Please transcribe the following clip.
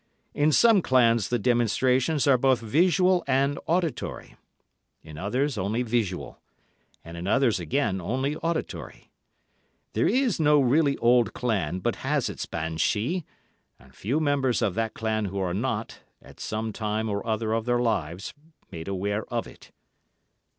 In some clans the demonstrations are both visual and auditory, in others only visual; and in others, again, only auditory. There is no really old clan but has its banshee, and few members of that clan who are not, at some time or other of their lives, made aware of it.